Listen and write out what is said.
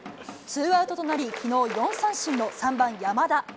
ツーアウトとなり、きのう、４三振の３番山田。